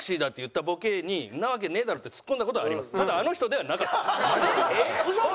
ただあの人ではなかったです！